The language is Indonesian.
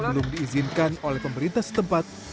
belum diizinkan oleh pemerintah setempat